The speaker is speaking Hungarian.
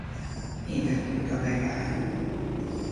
Évek óta vegán.